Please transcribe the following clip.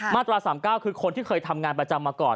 มาตรา๓๙คือคนที่เคยทำงานประจำมาก่อน